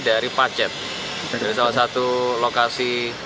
dari pacet dari salah satu lokasi